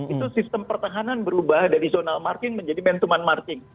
itu sistem pertahanan berubah dari zona marking menjadi mentuman marking